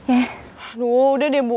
aduh udah deh bu